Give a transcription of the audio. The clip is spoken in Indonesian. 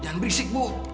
bu jangan berisik bu